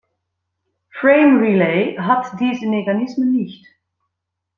Frame Relay hat diese Mechanismen nicht.